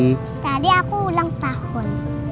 tadi aku ulang tahun